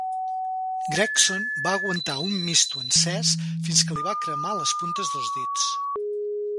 Gregson va aguantar un misto encès fins que li va cremar les puntes dels dits.